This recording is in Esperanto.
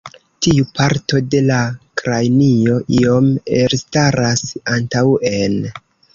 Tiu parto de la kranio iom elstaras antaŭen.